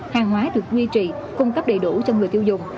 hàng hóa được duy trì cung cấp đầy đủ cho người tiêu dùng